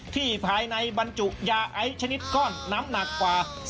ภายในบรรจุยาไอชนิดก้อนน้ำหนักกว่า